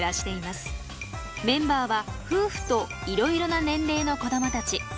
メンバーは夫婦といろいろな年齢の子どもたち。